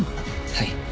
はい。